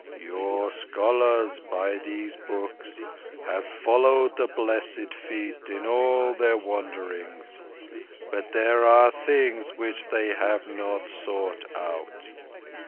"Your scholars, by these books, have followed the Blessed Feet in all their wanderings; but there are things which they have not sought out.